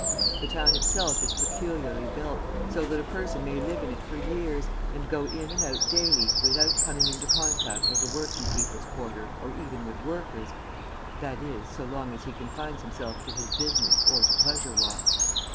The town itself is peculiarly built, so that a person may live in it for years, and go in and out daily without coming into contact with a working people's quarter or even with workers, that is, so long as he confines himself to his business or to pleasure walks.